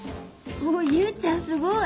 ユウちゃんすごい！